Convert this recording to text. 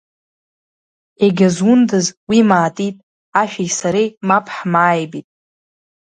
Егьа зундаз уи маатит, ашәи сареи мап ҳмааибит…